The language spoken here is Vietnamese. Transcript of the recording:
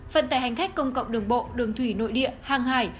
phần tại hành khách công cộng đường bộ đường thủy nội địa hàng hải